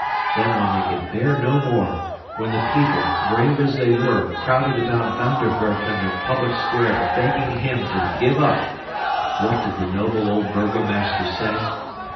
Then when they could bear no more, when the people, brave as they were, crowded about Van der Werf in the public square begging him to give up, what did the noble old burgomaster say?